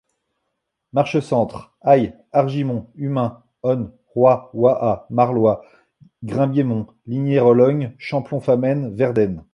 Marche-centre, Aye, Hargimont, Humain, On, Roy, Waha, Marloie, Grimbiémont, Lignières, Hollogne, Champlon-Famenne, Verdenne.